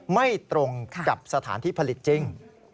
ไม่ตรงกับสถานที่ผลิตจริง